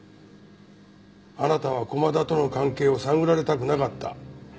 あなたは駒田との関係を探られたくなかった。